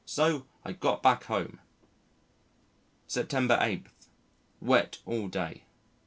So, I got back home! September 8. Wet all day.